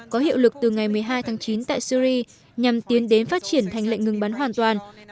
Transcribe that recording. có hiệu lực từ ngày một mươi hai tháng chín tại syri nhằm tiến đến phát triển thành lệnh ngừng bắn hoàn toàn